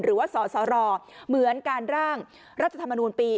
หรือว่าสสรเหมือนการร่างรัฐธรรมนูลปี